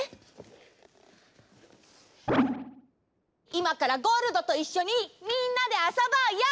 いまからゴールドといっしょにみんなであそぼうよ！